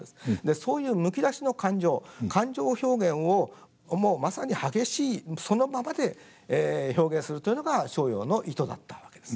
そういうむき出しの感情感情表現をもうまさに激しいそのままで表現するというのが逍遙の意図だったわけです。